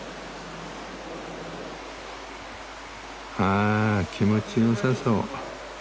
あ気持ちよさそう。